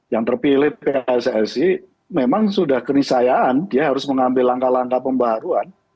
yang terpilih pssi memang sudah kenisayaan dia harus mengambil langkah langkah pembaruan